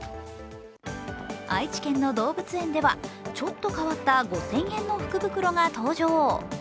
愛知県の動物園ではちょっと変わった５０００円の福袋が登場。